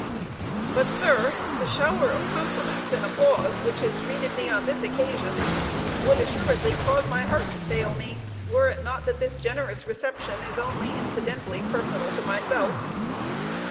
But, sir, the shower of compliments and applause, which has greeted me on this occasion would assuredly cause my heart to fail me, were it not that this generous reception is only incidentally personal to myself.